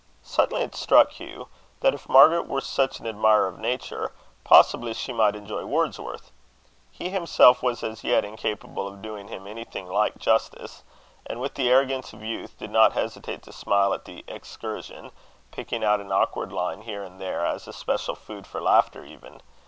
Suddenly it struck Hugh, that if Margaret were such an admirer of nature, possibly she might enjoy Wordsworth. He himself was as yet incapable of doing him anything like justice; and, with the arrogance of youth, did not hesitate to smile at the Excursion, picking out an awkward line here and there as especial food for laughter even.